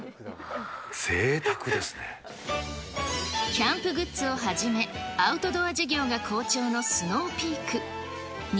キャンプグッズをはじめ、アウトドア事業が好調のスノーピーク。